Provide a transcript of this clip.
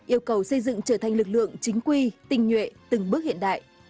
yêu cầu xây dựng trở thành lực lượng chính quy tình nhuệ từng bước hiện đại